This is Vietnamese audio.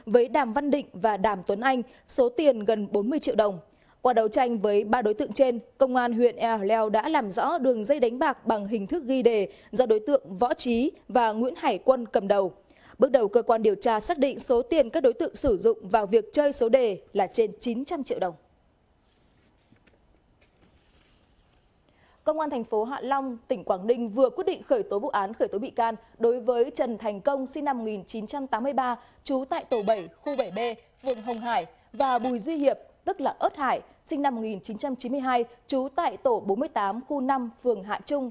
và bùi duy hiệp tức là ớt hải sinh năm một nghìn chín trăm chín mươi hai chú tại tổ bốn mươi tám khu năm vườn hạ trung